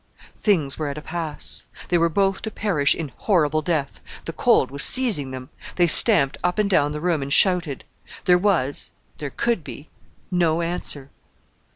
Things were at a pass. They were both to perish in horrible death. The cold was seizing them. They stamped up and down the room, and shouted. There was, there could be, no answer.